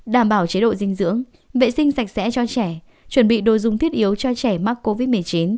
đảm bảo chế độ dinh dưỡng vệ sinh sạch sẽ cho trẻ chuẩn bị đồ dùng thiết yếu cho trẻ mắc covid một mươi chín